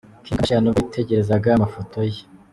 Kim Kardashian ubwo yitegerezaga amafoto ye .